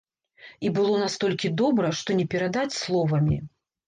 І было настолькі добра, што не перадаць словамі.